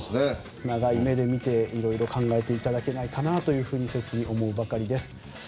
長い目で見て色々考えていただけないかなと切に思うばかりです。